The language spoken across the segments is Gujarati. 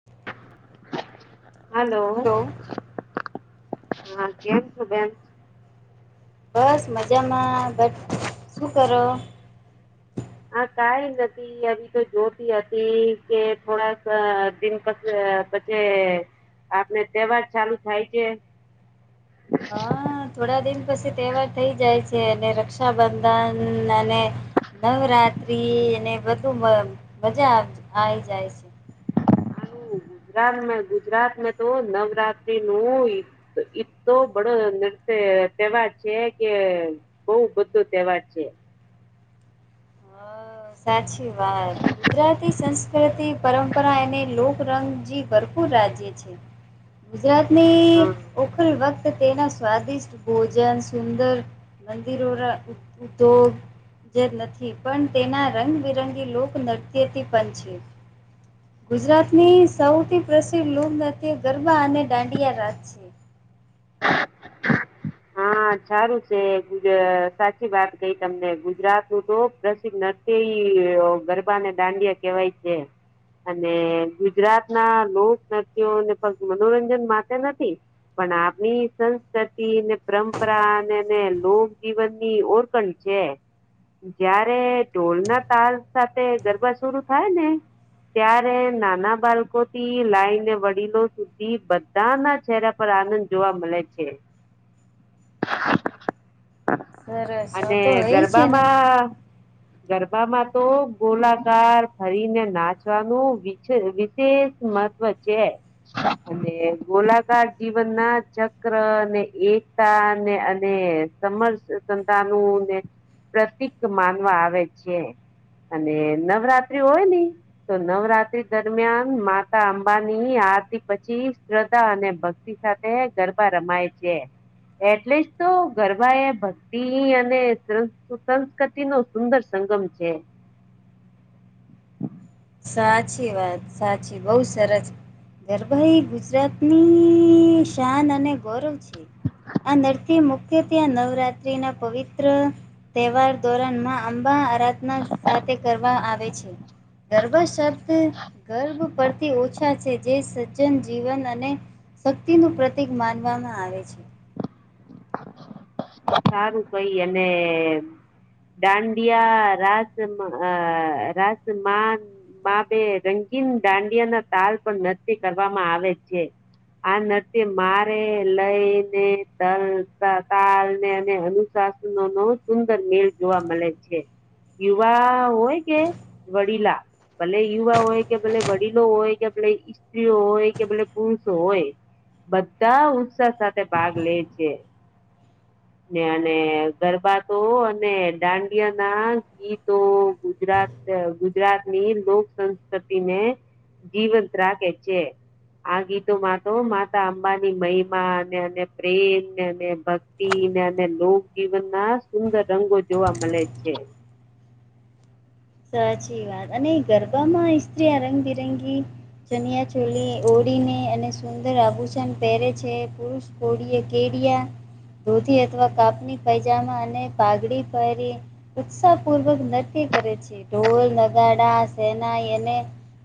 [unintelligible] હલો હેલો હા કેમ છુ, બેન બસ મજામાં બટ શું કરો હા, કઈ નથી આવી તો જોતી હતી કે થોડાક દિન પછી કે આપણે તહેવાર ચાલુ થાય છે. [unintelligible] હા થોડા દિન પછી તહેવાર થઇ જાય છે અને રક્ષાબંધન નવરાત્ર્રી ને બધુ મજા આવી જાય છે. હ. ગુજરાત ગુજરાત તો નવરાત્રી નું તો એ તો બડો નૃત્ય તહેવાર છે. કે બઉ બધો તહેવાર છે. તો સાચી વાત. ગુજરાતી સંસ્કૃતિ પરંપરા એને લોકરંગજી ભરપૂર રાજ્ય છે. ગુજરાતની હમ ઓખલ વત તેના સ્વાદિષ્ટ ભોજન સુંદર મંદિરોના ઉદ્યોગ જે નથી પણ તેના રંગબિરંગી લોકનૃત્યથી પણ છે. ગુજરાતની સૌથી પ્રસિદ્ધ લોકનાત્ય ગરબા અને દાંડિયા રાજ છે. હા સારું છે. સાચી વાત કઈ તમને ગુજરાત નું તો પ્રસિદ્ધ ન તે ગરબાને દાંડિયા કેવાય છે. અને ગુજરાત ના લોક નત્યોને ફત મનોરંજન માટે નથી. પણ આપણી સંસ્કૃતિને પરંપરા અનેને લોક જીવનની ઓરખણ છે. જયારે ઢોલ, ના તાર સાથે ગરબા શરુ થાય ને ત્યારે નાના બાળકો થી લાઈને વડીલો સુધી બ ત ના ચહેરા પર આનંદ જોવા મળે છે. સરસ હવે અને તો હોય છે ને ગરબામાં ગરબામાં તો ગોલાકાર ફરીને નાચવાનું વિશેષ મહત્વ છે. અને ગોલાકાર જીવન ના ચક્ર ને એક તા ને અને સમર્સ સંતાનોને પ્રતીક માનવા આવે છે અને નવરાત્રિ હોય ને તો નવરાત્રી દરમિયાન માતા અંબાની આરતી પછી શ્રદ્ધા અને ભક્તિ સાથે ગરબા રમાય છે. એટલે જ તો ગરબા એ ભક્તિ અને સુસસ્કૃતિ નો સુંદર સંગમ છે. સાચી વાત સાચી બહુ સરસ. ગરભાઈ ગુજરાતની શાન અને ગૌરવ છે. આ નરથી મુખ્ય ત્યાં નવરાત્ર્રીના પવિત્ર તહેવાર દોરણ માં અંબા આરાધના સાથે કરવા આવે છે. ગર્ભ શબ્દ ગર્ભ પરથી ઓછા છે, જે સ જન જીવન અને શક્તિનું પ્રતિક માનવામાં આવે છે. સારું કઈ અને ડાંડિયા રાસ રાસમાન બા બે રંગીન દાંડિયા ના તાલ પણ નકી કરવામાં આવે છે. આ નત્ય મારે લઈ તે તલ તાલને અને અનુશાસનો નો સુંદર મેળ જોવા મળે છે. યુવા હોય કે વડીલા ભલે યુવા હોય કે ભલે વડીલો હોય કે ભલે સ્ત્રીઓ હોય કે ભલે પુરુષો હોય બધા ઉત્સાહ સાથે ભાગ લે છે. [unintelligible] અને ગરબાતો અને દાંડિયા ના ગીતો ગુજરાત ગુજરાત ની લોક સંસ્કૃતિને જીવંત રાખે છે આ ગીતોમાં તો માતા અંબાની મહિમા પ્રેમ ને, ભક્તિ ને, અને લોક જીવન ના સુંદર રંગો જોવા મળે છે. સાચી વાત અને ગરબામાં સ્ત્રી રંગ બિરંગી ચનિયા ચોલી ઓળીને અને સુંદર આભૂષણ પહેરે છે પુરુષ કોડીએ કેડીયા ધોતી અથવા કાપની પજામા અને પાઘડી પહેરી ઉત્સાહ પૂર્વક નક્કી કરે છે ઢોલ, નગાડા, સેહણા એને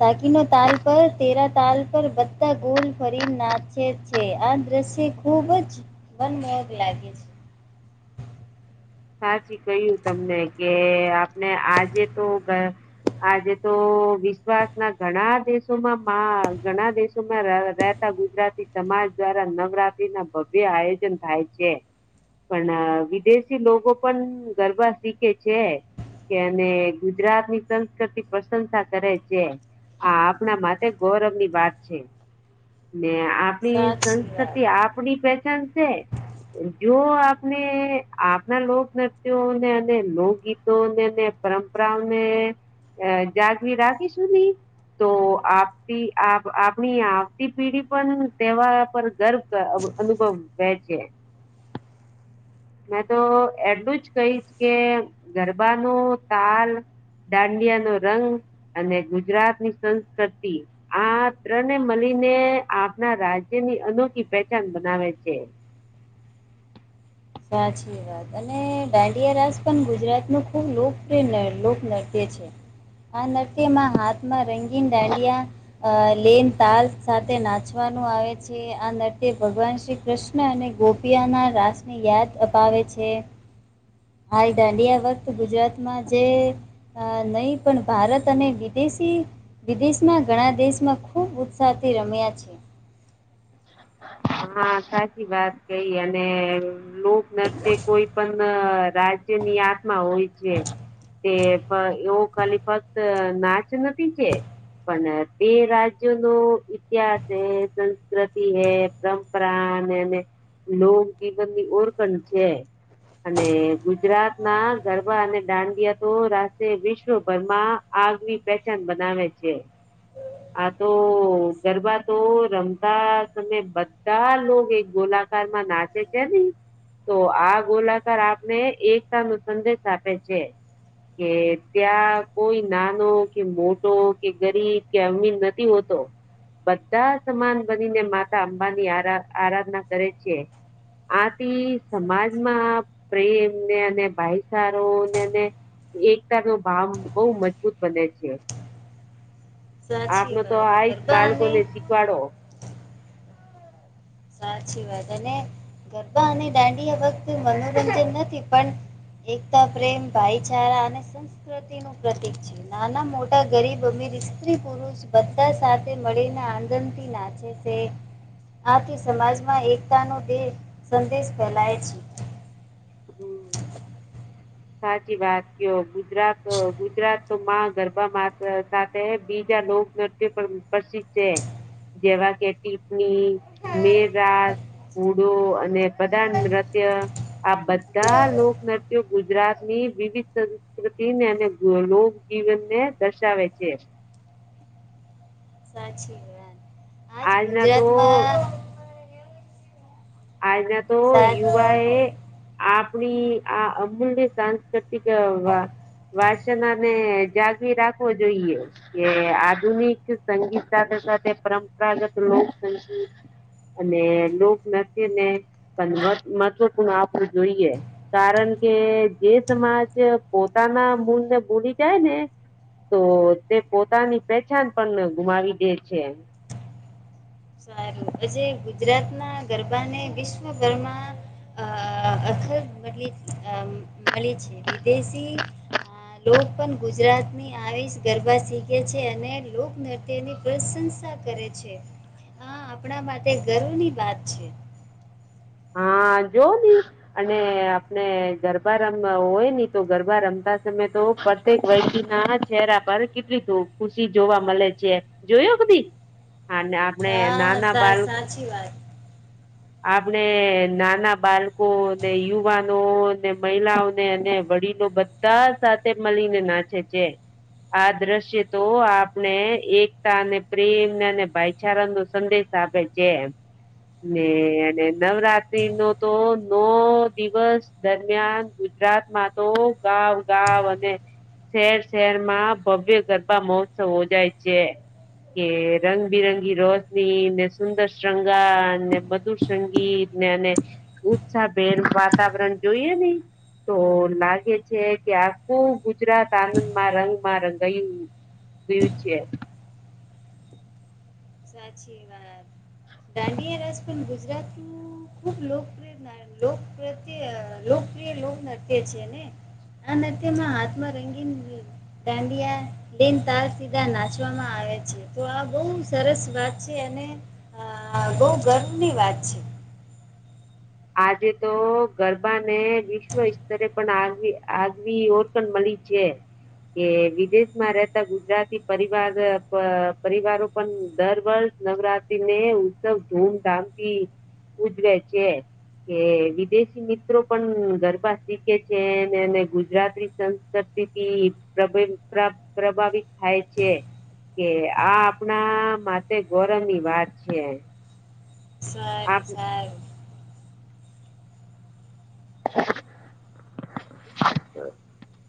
તાકીનો તાલ પર તેરા તાલ પર બદધા ગોલ ફરીન નાચે છે આ દ્રશ્ય ખુબ જ મનમોહક લાગે છે‌. સાચી કહ્યું તમને કે આપણે આજે તો આજે તો વિશ્વાસ ના ઘણા દેશોમાં ઘણા દેશોમાં ગુજરાતી સમાજ દ્વારા નવરાત્રી ના ભવ્ય આયોજન થાય છે. પણ વિદેશી લોકો પણ ગરબા શીખે છે. કે અને ગુજરાત ની સંસ્કૃતિ પ્રશંસા કરે છે. હા આપણા માટે ગૌરવ ની વાત છે. ને આપણી સાચી સંસ્કૃતિ વાત આપણી પહેચાન. જો આપને આપણા લોકનૃત્યને અને લોકગીતોને પરંપરાઓને અ જાગવી રાખીશુંધી તો આપ આપણી આવતી પેઢી પણ તેવા પર ગર્વ અનુભવ વે છે. મેં તો એટલું જ કહીશ કે ગરબા નુ તાલ દાંડિયા નો રંગ અને ગુજરાતની સંસ્કૃતિ આ ત્રને મળીને આપના રાજ્યની અનોખી પહેચાન બનાવે છે. સાચીએ અને દાંડિયા રાસ પણ ગુજરાત નું ખુબ લોકપ્રિય લોકનૃત્ય છે. આ નૃત્યમાં હાથમાં રંગીન ડાંડિયા અ લેન તાલ સાથે નાચવાનું આવે છે આ નર્ત્ય ભગવાન શ્રી કૃષ્ણ અને ગોપિયાના રાસને યાદ અપાવે છે. હા દાંડીયા વખત ગુજરાતમાં જે અ નહી પણ ભારત અને વિદેશી વિદેશમાં ઘણા દેશમાં ખૂબ ઉત્સાહથી રમ્યા છે. હા સાચી વાત કઈ અને લોક નૃત્યો કોઈ પણ રાજ્યની આત્માં હોય છે. તે એવું કલી ફક્ત નાચ નથી છે પણ તે રાજ્યો નો ઇતિહાસ હે, સંસ્કૃતિ હૈ. પરંપરા અને એ લોક જીવનની ઓળખણ છે. અને ગુજરાત ના ગરબા અને દાંડિયા તો રા વિશ્વભરમાં આગવી પહેચાન બનાવે છે. આ તો ગરબા તો રમતા તમે બધ બધા લોગ એક ગોલાકારમાં નાચે છે નને તો આ ગોલાકાર આપને એકતા નો સંદેશ આપે છે. કે ત્યાં કોઈ નાનો કે મોટો કે ગરીબ કે અમીર નથી હોતો બધા સમાન બનીને માતા બાબા ની આ આરાધના કરે છે. આથી સમાજમાં પ્રેમ ને અને ભાઈચારો ને એકતા નો ભાવ બહુ મજબૂત બને છે. સાચી આપનો તો વાત આઈ જ ગરબા બાળકો અને ને શીખવાડો સાચી વાત અને ગરબા અને દાંડી આ વખતે મનોરંજન નથી પણ એકતા પ્રેમ ભાઈચારા અને સંસ્કૃતિ નું પ્રતિક છે. નાના-મોટા, ગરીબ-અમીર, સ્ત્રી-પુરુષ બધા સાથે મળીને આગંદથી નાચે આથી સમાજમાં એકતાનો સંદેશ ફેલાય છે. હમ સાચી વાત કયો ગુજરાત ગુજરાત તો માં ગરબા સાથે બીજા લોક પણ પ્રસિદ્ધ છે જેવા કે ટીપ્પણી, મેરાત હૂડો અને પ્રધા નૃત્ય આ બધા લોકનૃત્યો ગુજરાત ની વિવિધ સંસ્કૃતિને અને લોક જીવન ને દર્શાવે છે. સાચી વાત આજ આજના તો ગુજરાતમાં આજના તો સાત યુવા એ આપણી આ અમૂલ્ય સાંસ્કૃતિક વાસના ને જાગવી રાખવો જોઈએ કે આધુનિક સંગીત સાથે સાથે પરંપરાગત લોકસંગીત અને લોકનત્ય ને પણ મહત્વપૂર્ણ આપવું જોઈએ. કારણ કે જે સમાજ પોતાના મૂળ ને ભૂલી જાય ને તો તે પોતાની પહેચાન પણ ગુમાવી દે છે. સારું આજે ગુજરાત ના ગરબાને વિશ્વભરમાં અખર મળે મળે છે. વિદેશી લોક પણ ગુજરાતની આવી જ ગરબા શીખે છે અને લોકનત્ય તેની પ્રશંસા કરે છે. હા આપણા માટે ગર્વ ની વાત છે. હા જો અને આપણે ગરબા રમ હોય ની તો ગરબા રમતા સમય તો ક વયટી ના ચહેરા પર કેટલી ખુશી જોવા મળે છે જોયો બધી અને આપણેે હા નાના સા બાલ સાચી વાત આપણે નાના બાળકો ને યુવાનો ને મહિલાઓને અને વડીલો બધા ત સાથે મળીને નાચે છે. આ દ્રશ્ય તો આપણે એકતા અને પ્રેમને અને ભાઈચારા નો સંદેશ આપે છે ને અને નવરાત્ર ત્રી નો તો નો દિવસ દરમિયાન ગુજરાતમાં તો ગાવ ગાવ અને શહેર શહેર માં ભવ્ય ગરબા મહોત્સવ જાય છે. કે રંગબિરંગી રોશની ને સુંદર શૃંગાર ને મધુર સંગીત ઉત્સાહભેર વાતાવરણ જોઈએ નઈ. તો લાગે છે કે આખું ગુજરાત આનંદમાં રંગમાં રંગયું [unintelligible] છે. સાચી વાત દાંડિયા રાજ પણ ગુજરાતું ખુબ લોકપ્રિય લોકપ્રત્ય લોકપ્રિય લોકનૃત્ય છે ને. આમાં હાથમાં રંગીન દાંડિયા દિન તાર સીધા નાચવામાં આવે છે. તો આ બવ સરસ વાત છે અને બહુ ગર્વની વાત છે. આજે તો ગરબા ને વિશ્વ સ્તરે પણ આગ આગવી ઓ મળલી છેે. કે વિદેશમાં રહેતા ગુજરાતી પરિવાર પરિવારો પણ દર વર્ષ નવરાત્રી ને ઉત્સવ ધૂમધામ થી ઉજવે છે કે વિદેશી મિત્રો પણ ગરબા શીખે છે ગુજરાતી તીથી પ્રભાવિત થાય છે કે આ આપણા માટે ગૌરવ ની વાત છે સરી આપ સારી હ